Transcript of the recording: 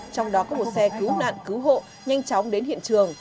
trong đó có một xe cứu nạn cứu hộ nhanh chóng đến hiện trường